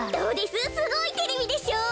すごいテレビでしょう。